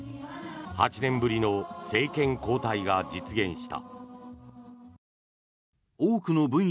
８年ぶりの政権交代が実現した。